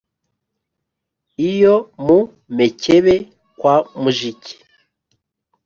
iyo mu mekebe kwa mujiki